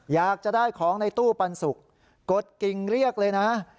อยากจะได้ของในตู้ปันสุกกดกิ่งเรียกเลยนะ